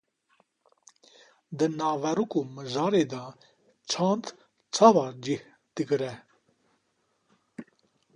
Di naverok û mijarê de çand çawa cih digire?